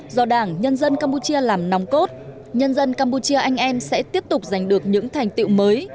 do đảng nhân dân campuchia làm nòng cốt nhân dân campuchia anh em sẽ tiếp tục giành được những thành tiệu mới